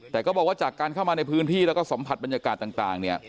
แต่ก็บอกว่าจากการเข้ามาในพื้นที่แล้วก็สัมผัสบรรยากาศต่างเนี่ย